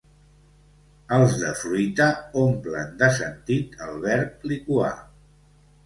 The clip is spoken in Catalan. Els de fruita omplen de sentit el verb liquar.